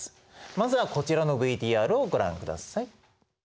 まずはこちらのＶＴＲをご覧ください。